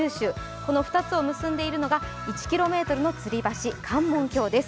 この２つを結んでいるのが１ｋｍのつり橋、関門橋です。